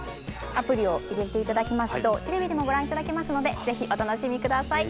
アプリを入れて頂きますとテレビでもご覧頂けますので是非お楽しみ下さい。